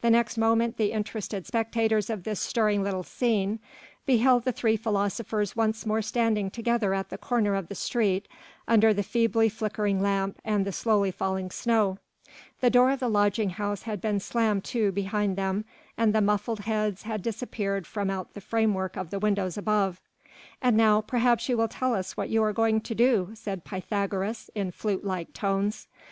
The next moment the interested spectators of this stirring little scene beheld the three philosophers once more standing together at the corner of the street under the feebly flickering lamp and the slowly falling snow; the door of the lodging house had been slammed to behind them and the muffled heads had disappeared from out the framework of the windows above. "And now, perhaps you will tell us what you are going to do," said Pythagoras in flute like tones.